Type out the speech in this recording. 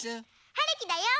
はるきだよ。